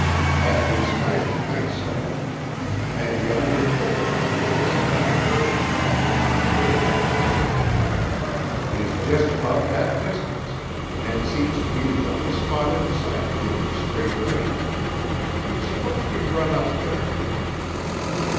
At least, I should think so. And yonder thicket on the hillside," he added, looking out of the window again, "is just about that distance, and seems to be the only spot in sight giving a straight range. Suppose we run up there."